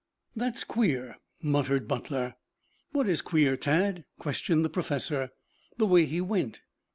"That's queer," muttered Butler. "What is queer, Tad?" questioned the professor. "The way he went."